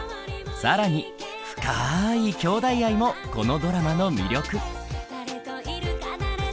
更に深いきょうだい愛もこのドラマの魅力。